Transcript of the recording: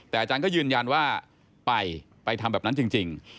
แต่อาจารย์ก็ยืนยันว่าไปไปทำแบบนั้นจริง